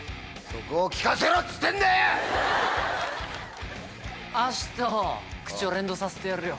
そこを聞かせろつってんだよ！